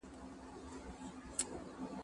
زه بايد د کتابتون د کار مرسته وکړم!!